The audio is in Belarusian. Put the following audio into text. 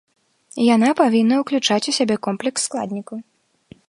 Яна павінна уключаць у сябе комплекс складнікаў.